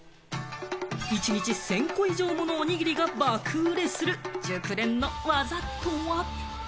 １日１０００個以上ものおにぎりが爆売れする熟練の技とは？